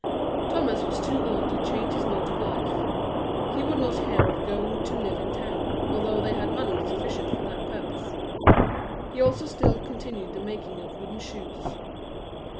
Thomas was too old to change his mode of life; he would not hear of going to live in town, although they had money sufficient for that purpose; he also still continued the making of wooden shoes.